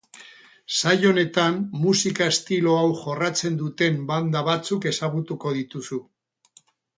Saio honetan, musika estilo hau jorratzen duten banda batzuk ezagutuko dituzu.